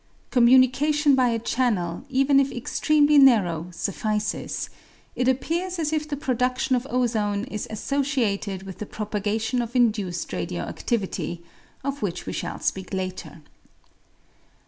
Communication by a channel, even if extremely narrow, suffices ; it appears as if the produdion of ozone is associated with the propagation of induced radio ac1:ivity, of which we shall speak later.